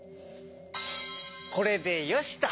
これでよしと！